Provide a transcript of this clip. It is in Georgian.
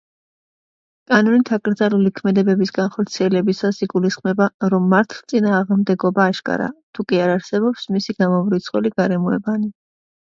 კანონით აკრძალული ქმედების განხორციელებისას იგულისხმება, რომ მართლწინააღმდეგობა აშკარაა, თუკი არ არსებობს მისი გამომრიცხველი გარემოებანი.